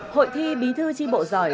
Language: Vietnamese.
hội thi bí thư tri bộ giỏi